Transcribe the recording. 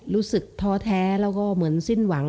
ท้อแท้แล้วก็เหมือนสิ้นหวัง